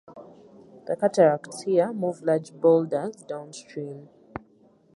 The cataracts here move large boulders downstream.